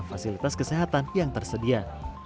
fasilitas kesehatan yang tersedia